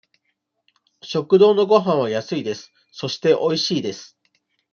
食堂のごはんは安いです。そして、おいしいです。